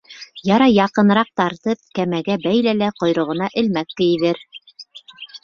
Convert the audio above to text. Ярай, яҡыныраҡ тартып, кәмәгә бәйлә лә ҡойроғона элмәк кейҙер.